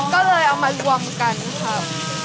ก็เลยเอามารวมกันครับ